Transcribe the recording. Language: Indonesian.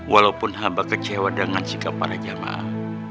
walaupun hamba kecewa dengan sikap para jamaah